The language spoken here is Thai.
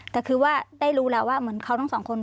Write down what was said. แต่คือว่าได้รู้แล้วว่าเหมือนเขาทั้งสองคน